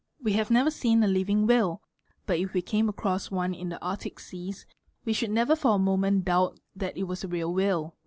We ha ve never seen a living whale, but if we came across one in the Artic Seas, we should never for a moment doubt that it was a real whale.